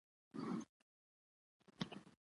د افغانستان مشران په افغاني مسايلو کيتاریخي رول لري.